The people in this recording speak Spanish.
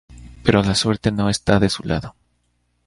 Pero la suerte no está de su lado.